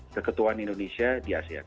keketuhan indonesia di asean